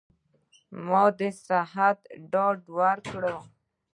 ما د صحت ډاډ ورکړ.